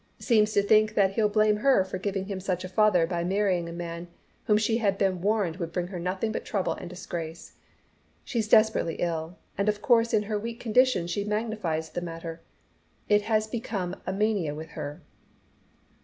Seems to think that he'll blame her for giving him such a father by marrying a man whom she had been warned would bring her nothing but trouble and disgrace. She's desperately ill, and of course in her weak condition she magnifies the matter. It has become a mania with her."